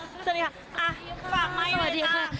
สวัสดีค่ะคิวากไมค์เลยค่ะ